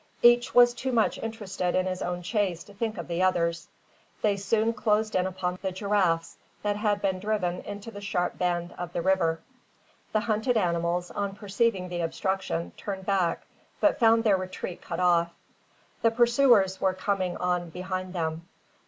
Each was too much interested in his own chase to think of the others. They soon closed in upon the giraffes, that had been driven into a sharp bend of the river. The hunted animals, on perceiving the obstruction, turned back, but found their retreat cut off. The pursuers were coming on behind them.